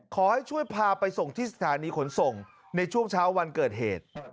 ขอให้ช่วยพาไปส่งที่สถานีขนส่งในช่วงเช้าวันเกิดเหตุ